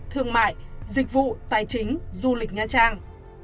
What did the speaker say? thương mại dịch vụ tài chính du lịch nha trang